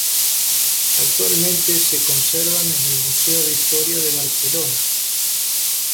Actualmente se conservan en el Museo de Historia de Barcelona.